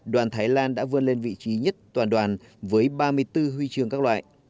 đoàn thái lan đã vươn lên vị trí nhất toàn đoàn với ba mươi bốn huy chương các loại